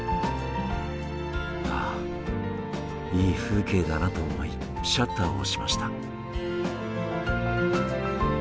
ああいい風景だなと思いシャッターを押しました。